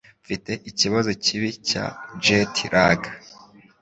Mfite ikibazo kibi cya jet lag